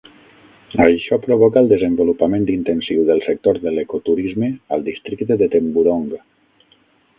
Això provoca el desenvolupament intensiu del sector de l'eco-turisme al districte de Temburong.